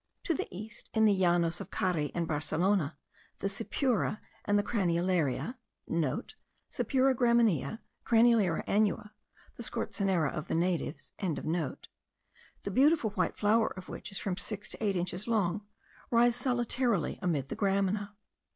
To the east, in the llanos of Cari and Barcelona, the cypura and the craniolaria,* (* Cypura graminea, Craniolaria annua, the scorzonera of the natives.) the beautiful white flower of which is from six to eight inches long, rise solitarily amid the gramina.